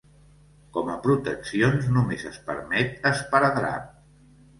Com a proteccions, només es permet esparadrap.